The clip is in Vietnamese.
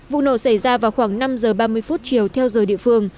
vụ nổ xảy ra vào khoảng năm giờ ba mươi phút chiều theo giờ địa phương